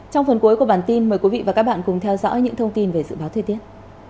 trong phần cuối của bản tin mời quý vị và các bạn cùng theo dõi những thông tin về dự báo thời tiết